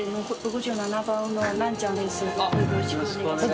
よろしくお願いします。